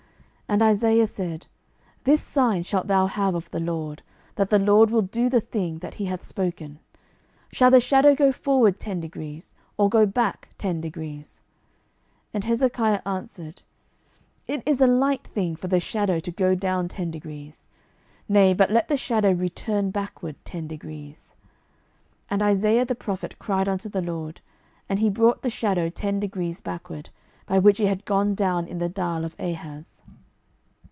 12:020:009 And Isaiah said, This sign shalt thou have of the LORD, that the LORD will do the thing that he hath spoken: shall the shadow go forward ten degrees, or go back ten degrees? 12:020:010 And Hezekiah answered, It is a light thing for the shadow to go down ten degrees: nay, but let the shadow return backward ten degrees. 12:020:011 And Isaiah the prophet cried unto the LORD: and he brought the shadow ten degrees backward, by which it had gone down in the dial of Ahaz.